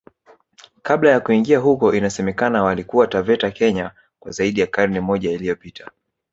Kabla ya kuingia huko inasemekana walikuwa Taveta Kenya kwa zaidi ya karne moja iliyopita